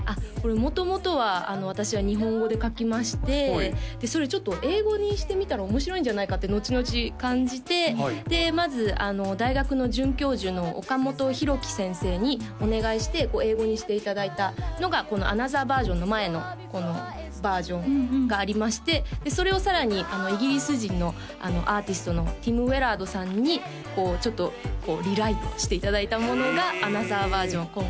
これ元々は私は日本語で書きましてでそれをちょっと英語にしてみたら面白いんじゃないかってのちのち感じてでまず大学の准教授の岡本広毅先生にお願いして英語にしていただいたのがこのアナザーバージョンの前のバージョンがありましてそれをさらにイギリス人のアーティストのティム・ウェラードさんにこうちょっとリライトしていただいたものがアナザーバージョン